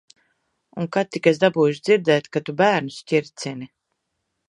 Un kad tik es dabūšu dzirdēt, ka tu bērnus ķircini.